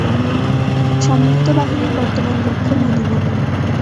সম্মিলিত বাহিনীর বর্তমান লক্ষ্য মদীনা।